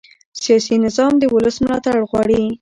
سیاسي نظام د ولس ملاتړ غواړي